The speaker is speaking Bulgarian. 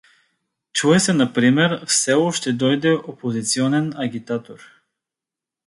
Чуе се например, в село ще дойде опозиционен агитатор.